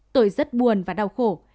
tôi rất buồn và đau khổ